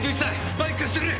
バイク貸してくれ！